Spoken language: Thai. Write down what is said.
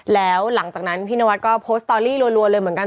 แล้วหลังจากนั้นพี่นวัดก็โพสต์สตอรี่รัวเลยเหมือนกัน